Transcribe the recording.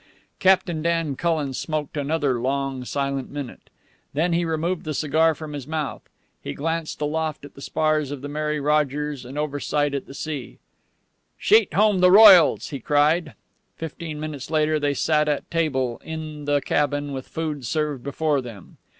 Captain Dan Cullen smoked another long, silent minute. Then he removed the cigar from his mouth. He glanced aloft at the spars of the Mary Rogers, and overside at the sea. "Sheet home the royals!" he cried. Fifteen minutes later they sat at table, in the cabin, with food served before them.